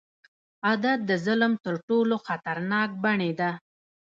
عادت د ظلم تر ټولو خطرناک بڼې ده.